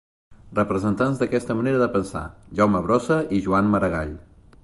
Representants d'aquesta manera de pensar: Jaume Brossa i Joan Maragall.